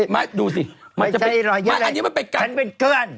ไม่ใช่หรอกอันนี้มันเป็นเกือร์น